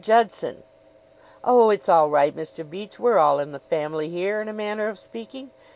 Judson!" "Oh, it's all right, Mr. Beach; we're all in the family here, in a manner of speaking.